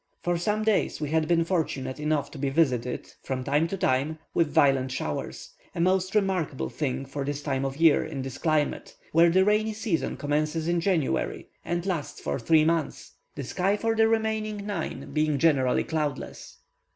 For some days we had been fortunate enough to be visited, from time to time, with violent showers; a most remarkable thing for the time of year in this climate, where the rainy season commences in January and lasts for three months, the sky for the remaining nine being generally cloudless.